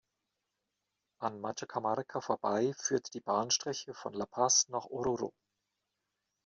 An "Machacamarca" vorbei führt die Bahnstrecke von La Paz nach Oruro.